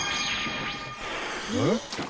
えっ？